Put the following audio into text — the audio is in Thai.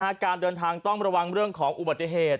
การเดินทางต้องระวังเรื่องของอุบัติเหตุ